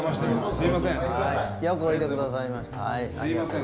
すいません。